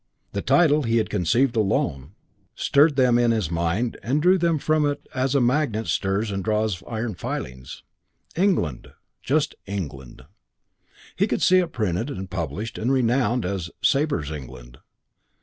The title he had conceived alone stirred them in his mind and drew them from it as a magnet stirs and draws iron filings. "England." Just "England." He could see it printed and published and renowned as "Sabre's England."